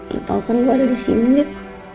lo tau kan gue ada disini nek